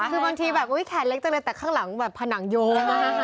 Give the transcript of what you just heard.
คือบางทีแบบแขนเล็กจังเลยแต่ข้างหลังแบบผนังโยง